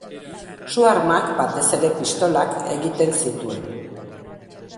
Su-armak, batez ere pistolak, egiten zituen.